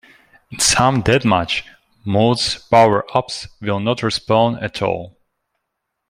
In some deathmatch modes power-ups will not respawn at all.